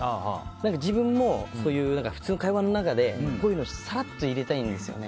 自分も普通会話の中でこういうのさらっと入れたいんですよね。